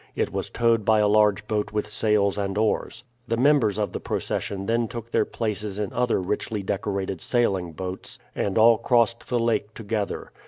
It was towed by a large boat with sails and oars. The members of the procession then took their places in other richly decorated sailing boats, and all crossed the lake together.